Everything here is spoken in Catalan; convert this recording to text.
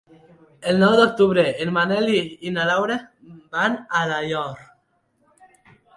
El nou d'octubre en Manel i na Laura van a Alaior.